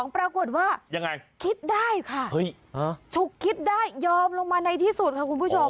ปรากฏว่าคิดได้ค่ะยอมลงมาในที่สุดครับคุณผู้ชม